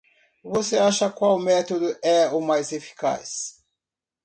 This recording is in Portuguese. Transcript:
Você acha qual método é o mais eficaz?